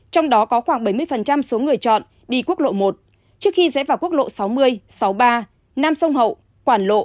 trong đó có khoảng bảy mươi số người chọn đi quốc lộ một trước khi rẽ vào quốc lộ sáu mươi sáu mươi ba nam sông hậu quảng lộ